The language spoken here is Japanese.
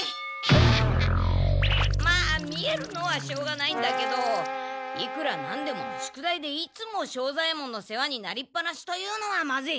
まあ見えるのはしょうがないんだけどいくらなんでも宿題でいつも庄左ヱ門の世話になりっ放しというのはまずい。